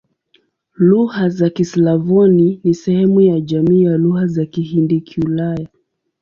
Lugha za Kislavoni ni sehemu ya jamii ya Lugha za Kihindi-Kiulaya.